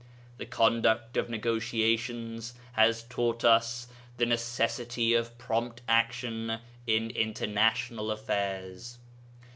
The conduct of negotiations has taught us the necessity of prompt action in international affairs.